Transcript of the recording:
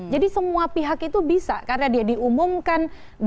jadi semua pihak itu bisa karena dia diumumkan